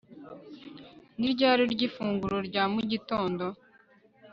Ni ryari urya ifunguro rya mu gitondo